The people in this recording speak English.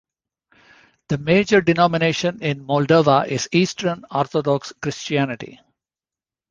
The major denomination in Moldova is Eastern Orthodox Christianity.